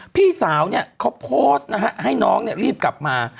พี่สาวเขาโพสต์ให้น้องรีบกลับมา